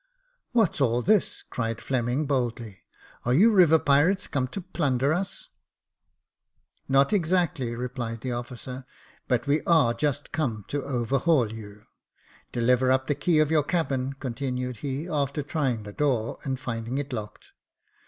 "What's all this?" cried Fleming, boldly. "Are you river pirates, come to plunder us ?" J.F. E 66 Jacob Faithful " Not exactly," replied the officer ;but we are just come to overhaul you. Deliver up the key of your cabin," continued he, after trying the door, and finding it locked.